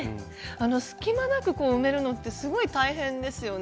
隙間なく埋めるのってすごい大変ですよね。